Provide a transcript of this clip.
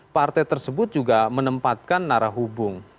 partai tersebut juga menempatkan narah hubung